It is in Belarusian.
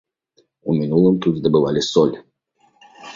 У мінулым тут здабывалі соль.